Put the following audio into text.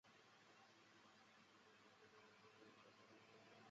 来瑱永寿人。